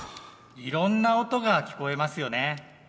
いろんな音が聞こえますよね。